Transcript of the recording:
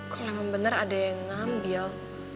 kalau emang bener ada yang ngambil